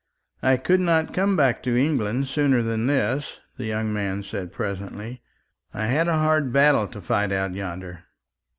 "I could not come back to England sooner than this," the young man said presently. "I had a hard battle to fight out yonder."